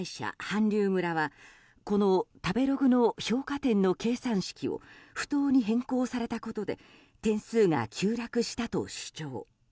韓流村はこの食べログの評価点の計算式を不当に変更されたことで点数が急落したと主張。